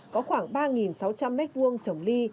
có khoảng ba sáu trăm linh mét vuông trồng ly